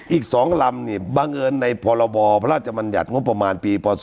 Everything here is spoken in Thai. อีก๒ลำบังเอิญในพรมัญญัติปศ๒๖๖๓